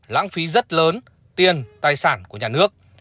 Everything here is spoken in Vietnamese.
lãng phí rất lớn tiền tài sản của nhà nước